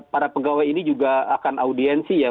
para pegawai ini juga akan audiensi ya